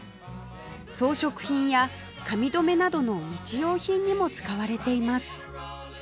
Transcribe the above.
装飾品や髪留めなどの日用品にも使われています